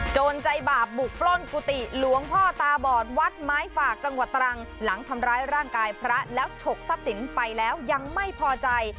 ใจบาปบุกปล้นกุฏิหลวงพ่อตาบอดวัดไม้ฝากจังหวัดตรังหลังทำร้ายร่างกายพระแล้วฉกทรัพย์สินไปแล้วยังไม่พอใจ